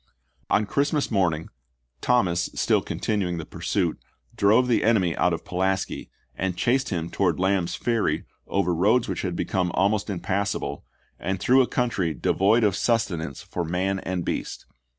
On Christmas morn ing Thomas, still continuing the pursuit, drove the enemy out of Pulaski, and chased him towards Lamb's Ferry over roads which had become almost impassable " and through a country devoid of sus tenance for man and beast."